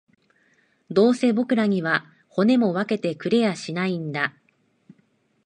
どうせ僕らには、骨も分けてくれやしないんだ